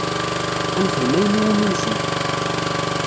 Ad nexdem ayen iwumi nezmer.